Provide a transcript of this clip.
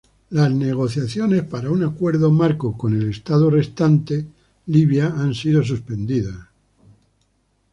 Las negociaciones para un Acuerdo Marco con el estado restante, Libia, han sido suspendidas.